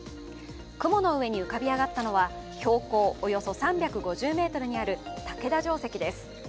雲の上に浮かび上がったのは、標高およそ３５０ｍにある竹田城跡です。